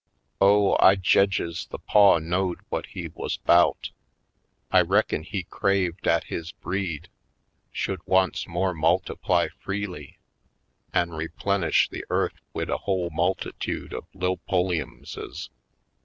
Oh, I jedges the paw knowed whut he wuz 'bout! I reckin he craved 'at his breed should once more multiply freely an' replenish the earth wid a whole multitude of lil' Pulliamses.